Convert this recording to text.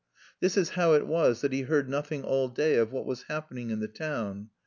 This is how it was that he heard nothing all day of what was happening in the town.